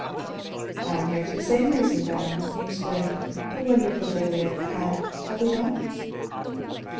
"I am here for the same reason, Baron," he explained. "A wonderful day we have had, have we not?"